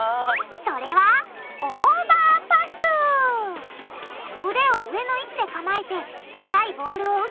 それは腕を上の位置で構えて高いボールを受けて返すよ